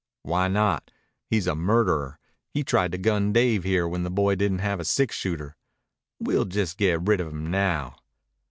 "Why not? He's a murderer. He tried to gun Dave here when the boy didn't have a six shooter. We'll jes' get rid of him now."